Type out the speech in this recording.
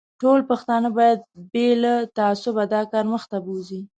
ټوله پښتانه باید بې له تعصبه دا کار مخ ته بوزي.